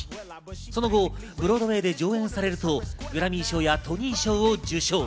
その後ブロードウェーで上演されると、グラミー賞やトニー賞を受賞。